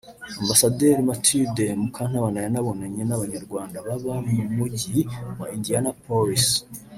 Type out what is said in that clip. Ambasaderi Mathilde Mukantabana yanabonanye n’Abanyarwanda baba mu mujyi wa Indianapolis